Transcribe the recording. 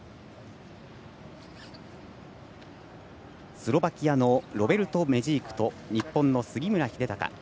スロバキアのロベルト・メジークと日本の杉村英孝。